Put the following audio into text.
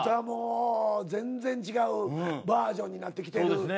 もう全然違うバージョンになってきてる。